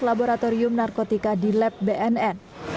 laboratorium narkotika di lab bnn